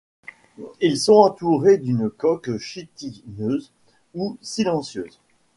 Ils sont entourés d'une coque chitineuse ou silicieuse.